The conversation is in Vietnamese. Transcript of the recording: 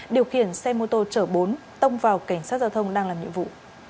điều khiển xe mô tô chở bốn tông vào cảnh sát giao thông đang làm nhiệm vụ